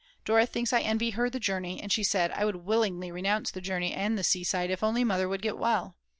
Dora thinks I envy her the journey, and she said: "I would willingly renounce the journey and the seaside if only Mother would get well.